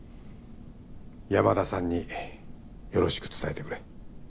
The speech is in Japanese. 山田さんによろしく伝えてくれ。